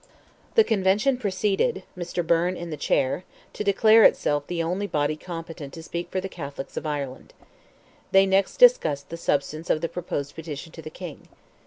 The Convention proceeded (Mr. Byrne in the chair) to declare itself the only body competent to speak for the Catholics of Ireland. They next discussed the substance of the proposed petition to the King.